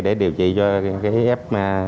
để điều trị cho cái ép